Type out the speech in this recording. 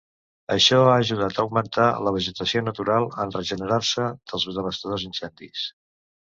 Això ha ajudat a augmentar la vegetació natural en regenerar-se dels devastadors incendis.